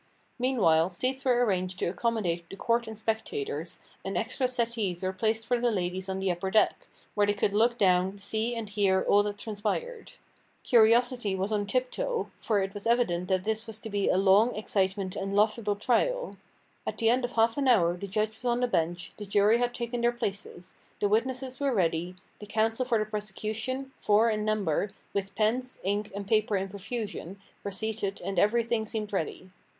Meanwhile, seats were arranged to accommodate the court and spectators, and extra settees were placed for the ladies on the upper deck, where they could look down, see and hear all that transpired. Curiosity was on tip toe, for it was evident that this was to be a long, exciting and laughable trial. At the end of half an hour the judge was on the bench, the jury had taken their places; the witnesses were ready; the counsel for the prosecution, four in number, with pens, ink, and paper in profusion, were seated and everything seemed ready.